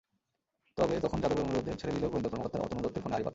তবে তখন যাদবের অনুরোধে ছেড়ে দিলেও গোয়েন্দা কর্মকর্তারা অতনু দত্তের ফোনে আড়ি পাতেন।